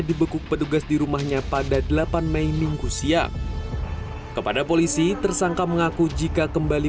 dibekuk petugas di rumahnya pada delapan mei minggu siang kepada polisi tersangka mengaku jika kembali